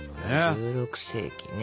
１６世紀ね。